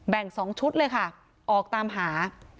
๒ชุดเลยค่ะออกตามหา